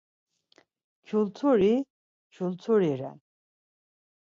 Kyulturi kyulturi ren.